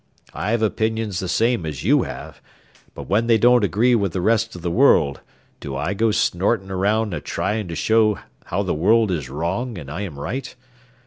I've opinions the same as you have, but when they don't agree with the rest o' the world, do I go snortin' around a tryin' to show how the world is wrong an' I am right?